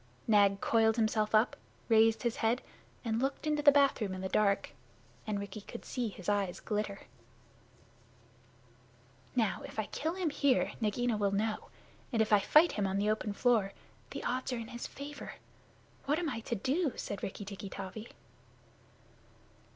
Nag coiled himself up, raised his head, and looked into the bathroom in the dark, and Rikki could see his eyes glitter. "Now, if I kill him here, Nagaina will know; and if I fight him on the open floor, the odds are in his favor. What am I to do?" said Rikki tikki tavi.